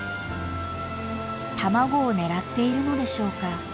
卵を狙っているのでしょうか？